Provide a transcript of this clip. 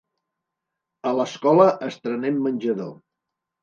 A l'escola estrenem menjador!